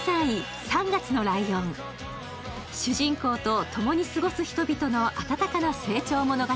主人公とともに過ごす人々の温かな成長物語